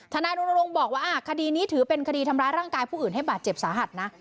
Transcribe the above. นายรณรงค์บอกว่าคดีนี้ถือเป็นคดีทำร้ายร่างกายผู้อื่นให้บาดเจ็บสาหัสนะ